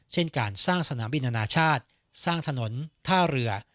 เช่นการสร้างสนามบินอนาชาติสร้างถนนท่าเรือ